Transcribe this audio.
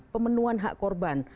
pemenuhan hak korban